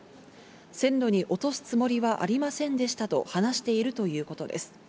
線路に落とすつもりはありませんでしたと話しているということです。